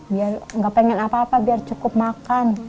biar gak pengen apa apa biar cukup makan